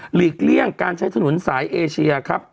หลีกเลี่ยงการใช้ถนนสายเอเชียครับ